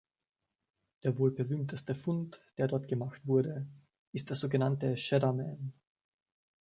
Der wohl berühmteste Fund, der dort gemacht wurde, ist der sogenannte Cheddar Man.